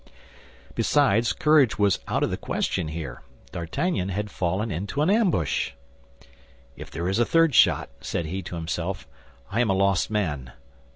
Besides, courage was out of the question here; D'Artagnan had fallen into an ambush. "If there is a third shot," said he to himself, "I am a lost man."